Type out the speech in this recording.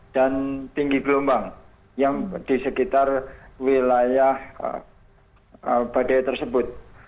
dan tinggi gelombang yang di sekitar wilayah badai tersebut